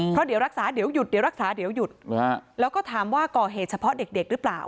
เพราะเดี๋ยวรักษาเดี๋ยวหยุดแล้วก็ถามว่าก่อเหตุเฉพาะเด็กหรือเปล่า